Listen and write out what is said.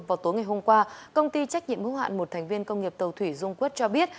vào tối ngày hôm qua công ty trách nhiệm hữu hạn một thành viên công nghiệp tàu thủy dung quất cho biết